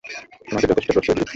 তোমাকে যথেষ্ট প্রশ্রয় দিয়েছি।